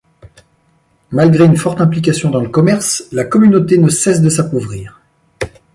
Malgré une forte implication dans le commerce, la communauté ne cesse de s'appauvrir.